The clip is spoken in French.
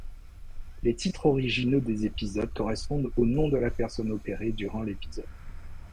Les titres originaux des épisodes correspondent au nom de la personne opérée durant l'épisode.